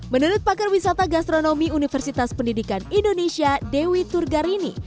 menurut pakar wisata gastronomi universitas pendidikan indonesia dewi turgarini